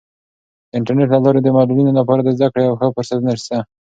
د انټرنیټ له لارې د معلولینو لپاره د زده کړې او ښه فرصتونه سته.